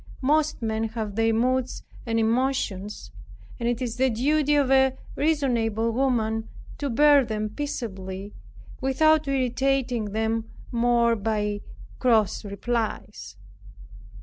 Most men have their moods and emotions, and it is the duty of a reasonable woman to bear them peaceably, without irritating them more by cross replies.